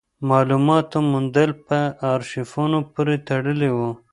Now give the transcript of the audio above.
د مالوماتو موندل په ارشیفونو پورې تړلي وو.